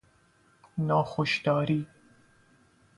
ناخوش داری